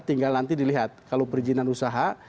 tinggal nanti dilihat kalau perizinan usaha